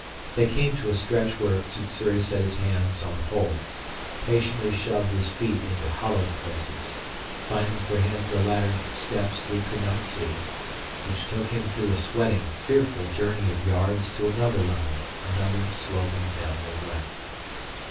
They came to a stretch where Sssuri set his hands on holds, patiently shoved his feet into hollowed places, finding for him the ladder steps he could not see, which took him through a sweating, fearful journey of yards to another level, another sloping, downward way.